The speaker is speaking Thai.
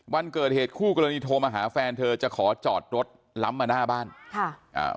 วันเกิดเหตุคู่กรณีโทรมาหาแฟนเธอจะขอจอดรถล้ำมาหน้าบ้านค่ะอ่า